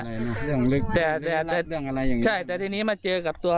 อะไรนะเรื่องลึกแต่อะไรเรื่องอะไรอย่างงี้ใช่แต่ทีนี้มาเจอกับตัว